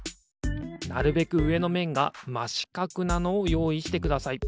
なるべくうえのめんがましかくなのをよういしてください。